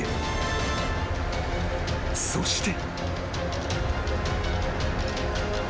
［そして］